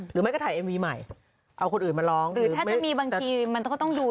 หรือไม่ก็ถ่ายเอ็มวีใหม่เอาคนอื่นมาร้องหรือถ้าจะมีบางทีมันก็ต้องดู